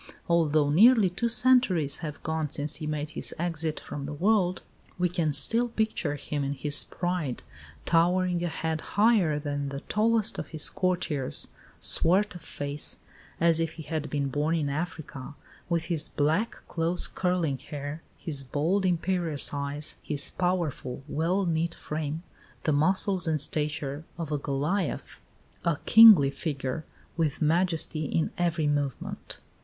Although nearly two centuries have gone since he made his exit from the world, we can still picture him in his pride, towering a head higher than the tallest of his courtiers, swart of face, "as if he had been born in Africa," with his black, close curling hair, his bold, imperious eyes, his powerful, well knit frame "the muscles and stature of a Goliath" a kingly figure, with majesty in every movement.